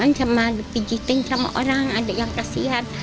kan sama dipijetin sama orang ada yang kasihan